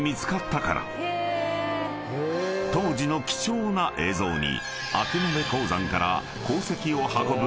［当時の貴重な映像に］